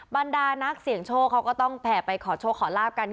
บรรดานักเสี่ยงโชคเขาก็ต้องแผ่ไปขอโชคขอลาบกัน